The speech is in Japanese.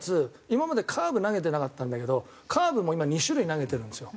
今までカーブ投げてなかったんだけどカーブも今２種類投げてるんですよ。